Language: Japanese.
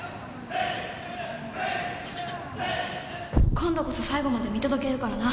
今度こそ最後まで見届けるからな